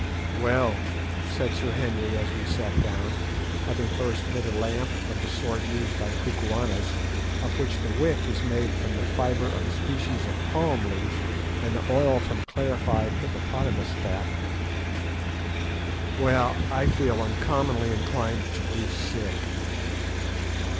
"Well," said Sir Henry, as we sat down, having first lit a lamp of the sort used by the Kukuanas, of which the wick is made from the fibre of a species of palm leaf, and the oil from clarified hippopotamus fat, "well, I feel uncommonly inclined to be sick."